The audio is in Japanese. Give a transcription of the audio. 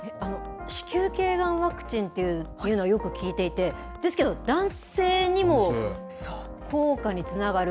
子宮けいがんワクチンっていうのはよく聞いていて、ですけど、男性にも効果につながる？